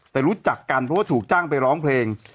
แต่รู้จักกันเพราะว่าถูกจ้างไปร้องเพลง